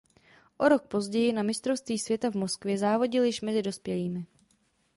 O rok později na mistrovství světa v Moskvě závodil již mezi dospělými.